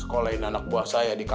sekolahin anak buah saya di kota